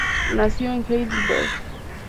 Nació en Heidelberg.